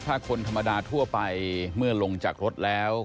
ถ้าคนธรรมดาทั่วไปเมื่อลงจากรถแล้ว